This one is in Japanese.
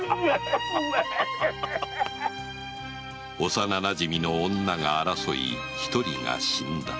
幼なじみの女が争い一人が死んだ。